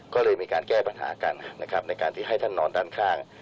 ก็เลยมีการแก้ปัญหากันนะครับในการที่ให้ท่านนอนด้านข้าง